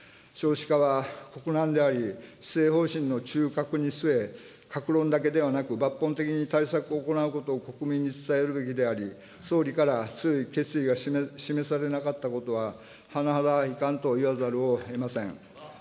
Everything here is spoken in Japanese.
少子化は国難であり、施政方針の中核に据え、各論だけではなく、抜本的に対策を行うことを国民に伝えるべきであり、総理から強い決意が示されなかったことは、甚だ遺憾といわざるをえません。